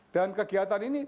dan kegiatan ini